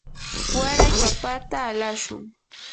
waray papata alashun.